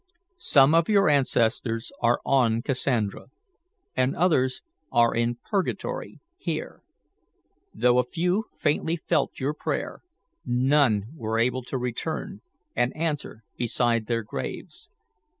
"Some of your ancestors are on Cassandra, and others are in purgatory here. Though a few faintly felt your prayer, none were able to return and answer beside their graves.